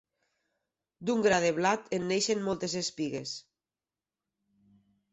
D'un gra de blat en neixen moltes espigues.